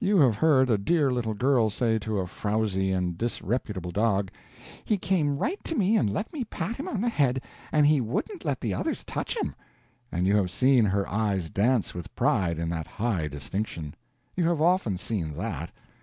You have heard a dear little girl say to a frowzy and disreputable dog: "He came right to me and let me pat him on the head, and he wouldn't let the others touch him!" and you have seen her eyes dance with pride in that high distinction. You have often seen that.